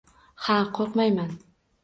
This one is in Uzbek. Ha, qoʻrqmayman.